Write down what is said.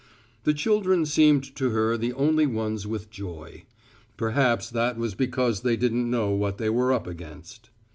The children seemed to her the only ones with joy. Perhaps that was because they didn't know what they were up against.